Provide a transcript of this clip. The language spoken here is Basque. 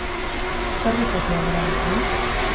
Zer gertatu da berarekin?